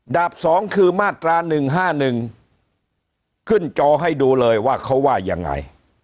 บ๒คือมาตรา๑๕๑ขึ้นจอให้ดูเลยว่าเขาว่ายังไง